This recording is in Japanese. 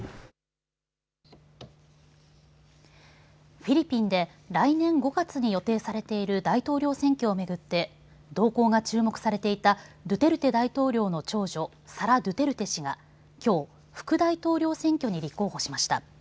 フィリピンで来年５月に予定されている大統領選挙を巡って動向が注目されていたドゥテルテ大統領の長女サラ・ドゥテルテ氏がきょう、福大統領選挙に立候補しました。